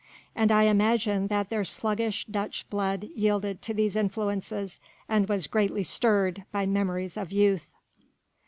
And I imagine that their sluggish Dutch blood yielded to these influences and was greatly stirred by memories of youth.